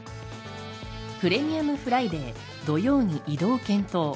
プレミアムフライデー、土曜に移動検討。